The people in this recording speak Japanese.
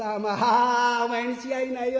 あお前に違いないわ。